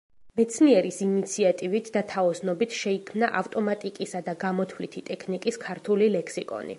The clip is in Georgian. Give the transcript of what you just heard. მეცნიერის ინიციატივით და თაოსნობით შეიქმნა ავტომატიკისა და გამოთვლითი ტექნიკის ქართული ლექსიკონი.